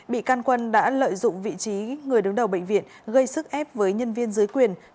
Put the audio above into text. bị can quân đã lợi dụng vị trí người đứng đầu bệnh viện gây sức ép với nhân viên dưới quyền